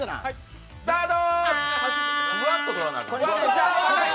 スタート。